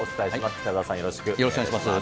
北澤さん、よろしくお願いします。